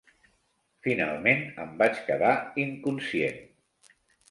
Finalment, em vaig quedar inconscient.